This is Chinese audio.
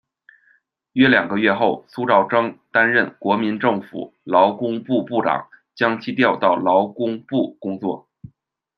约两个月后，苏兆征担任国民政府劳工部部长，将其调到劳工部工作。